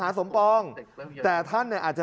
การเงินมันมีฝ่ายฮะ